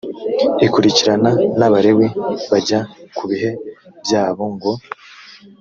ikurikirana n abalewi bajya ku bihe byabo ngo